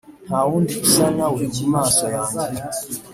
nta wundi usa nawe mu maso yanjye